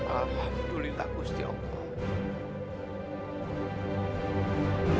alhamdulillah kusti allah